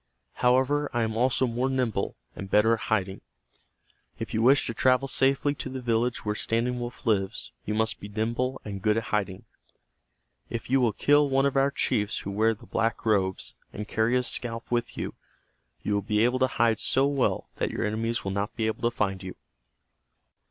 "However, I am also more nimble, and better at hiding. If you wish to travel safely to the village where Standing Wolf lives, you must be nimble and good at hiding. If you will kill one of our chiefs who wear the black robes, and carry his scalp with you, you will be able to hide so well that your enemies will not be able to find you."